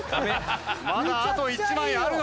まだあと１枚あるのに。